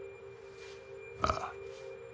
ああ。